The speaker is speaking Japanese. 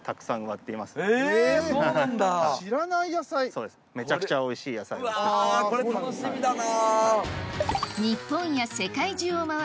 うわこれ楽しみだな。